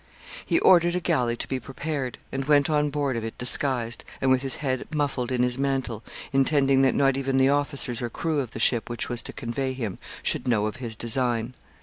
He ordered a galley to be prepared, and went on board of it disguised, and with his head muffled in his mantle, intending that not even the officers or crew of the ship which was to convey him should know of his design.